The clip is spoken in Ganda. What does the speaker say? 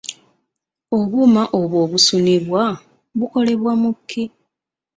Obuuma obwo obusunibwa bukolebwa mu ki?